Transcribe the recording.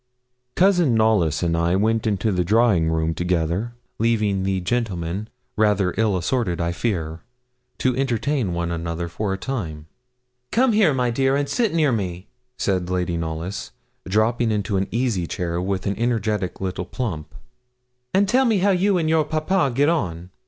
Cousin Knollys and I went into the drawing room together, leaving the gentlemen rather ill assorted, I fear to entertain one another for a time. 'Come here, my dear, and sit near me,' said Lady Knollys, dropping into an easy chair with an energetic little plump, 'and tell me how you and your papa get on.